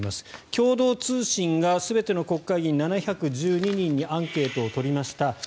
共同通信が全ての国会議員７１２人にアンケートを取りました。